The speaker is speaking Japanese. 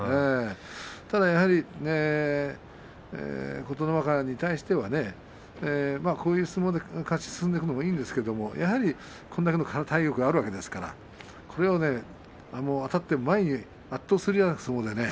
ただ琴ノ若に対してはこういう相撲で勝ち進んでいくのもいいんですがやはり、これだけの体力があるんですからあたって前に圧倒するような相撲ですね。